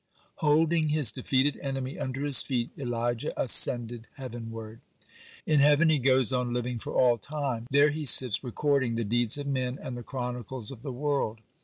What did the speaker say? Holding his defeated enemy under his feet, Elijah ascended heavenward. (33) In heaven he goes on living for all time. (34) There he sits recording the deeds of men (35) and the chronicles of the world.